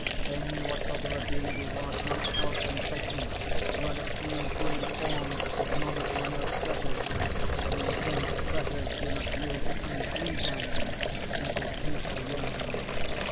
They knew what sort of a being he was none else than Satan, who had assumed human form in order to unearth treasures; and, since treasures do not yield to unclean hands, he seduced the young.